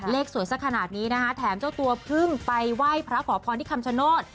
สวยสักขนาดนี้นะคะแถมเจ้าตัวเพิ่งไปไหว้พระขอพรที่คำชโนธ